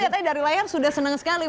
kita lihatnya dari layar sudah senang sekali